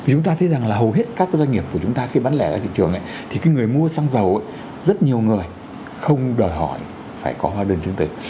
chúng ta thấy rằng là hầu hết các doanh nghiệp của chúng ta khi bán lẻ ở thị trường thì người mua xăng dầu rất nhiều người không đòi hỏi phải có hóa đơn chứng tử